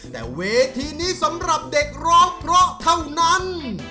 แต่เวทีนี้สำหรับเด็กร้องเพราะเท่านั้น